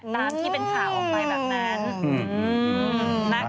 ตามที่เป็นข่าวออกไปแบบนั้น